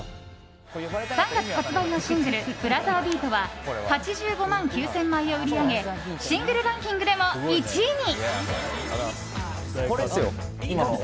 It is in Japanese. ３月発売のシングル「ブラザービート」は８５万９０００枚を売り上げシングルランキングでも１位に。